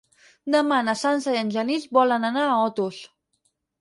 Demà na Sança i en Genís volen anar a Otos.